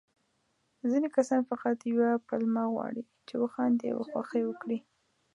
ځيني کسان فقط يوه پلمه غواړي، چې وخاندي او خوښي وکړي.